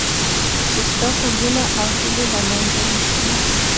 چې ستا خوبونه او هیلې له منځه یوسي.